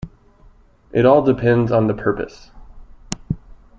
It all depends on the purpose.